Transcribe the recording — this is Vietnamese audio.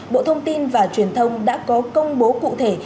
bộ thông tin và truyền thông đã có công bố cụ thể